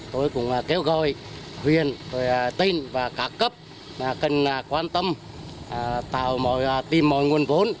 tôi cũng kêu gọi huyền tên và các cấp cần quan tâm tìm mọi nguồn vốn